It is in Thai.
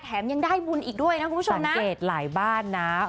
ยังได้บุญอีกด้วยนะคุณผู้ชมสังเกตหลายบ้านนะ